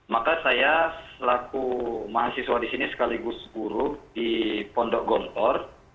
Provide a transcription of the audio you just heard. maka saya selaku mahasiswa di sini sekaligus guru di pondok gontor